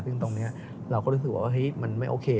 ซึ่งตรงนี้เราก็รู้สึกว่ามันไม่โอเค